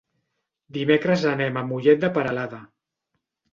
Dimecres anem a Mollet de Peralada.